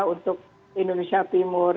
untuk indonesia timur